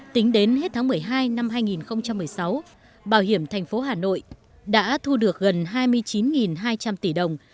tính đến hết tháng một mươi hai năm hai nghìn một mươi sáu bảo hiểm thành phố hà nội đã thu được gần hai mươi chín hai trăm linh tỷ đồng